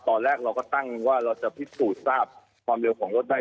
ตอนแรกเราก็ตั้งว่าเราจะพิสูจน์ทราบความเร็วของรถได้